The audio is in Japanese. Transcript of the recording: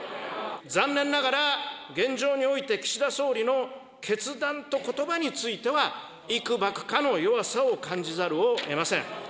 残念ながら、現状において岸田総理の決断とことばについては、いくばくかの弱さを感じざるをえません。